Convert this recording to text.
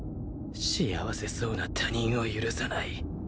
幸せそうな他人を許さない